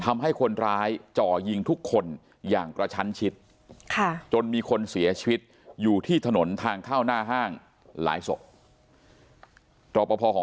ทำให้คนร้ายจ่อยิงทุกคนอย่างกระชั้นชิดจนมีคนเสียชีวิตอยู่ที่ถนนทางเข้าหน้าห้างหลายศพรอปภของ